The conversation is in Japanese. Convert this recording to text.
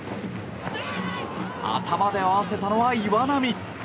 頭で合わせたのは岩波。